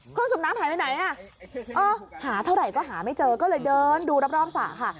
สูบน้ำหายไปไหนอ่ะหาเท่าไหร่ก็หาไม่เจอก็เลยเดินดูรอบสระค่ะ